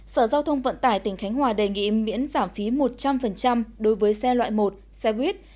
sở giao thông vận tải tỉnh khánh hòa đề nghị miễn giảm phí một trăm linh đối với xe loại một xe buýt